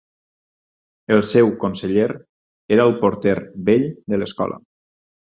El seu conseller, era el porter vell de l'Escola